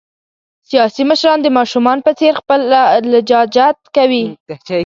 سیاسي مشران د ماشومان په څېر خپل لجاجت کوي.